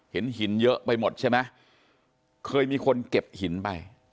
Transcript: เห็นหินเยอะไปหมดใช่ไหมเคยมีคนเก็บหินไป